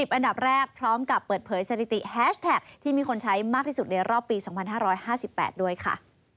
อันดับแรกพร้อมกับเปิดเผยสถิติแฮชแท็กที่มีคนใช้มากที่สุดในรอบปี๒๕๕๘ด้วยค่ะ